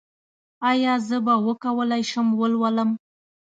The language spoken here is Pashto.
ایا زه به وکولی شم ولولم؟